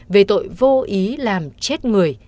về tội vô ý làm chết người